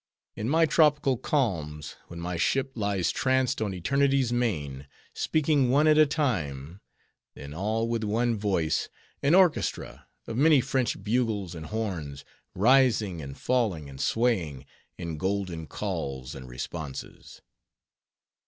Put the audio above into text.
In my tropical calms, when my ship lies tranced on Eternity's main, speaking one at a time, then all with one voice: an orchestra of many French bugles and horns, rising, and falling, and swaying, in golden calls and responses.